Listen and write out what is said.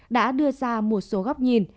đã đưa ra một số góc nhìn